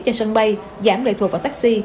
trên sân bay giảm lợi thuộc vào taxi